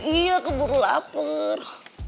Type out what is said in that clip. iya keburu lapar